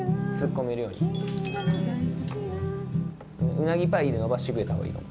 「うなぎパイ」で伸ばしてくれた方がいいかも。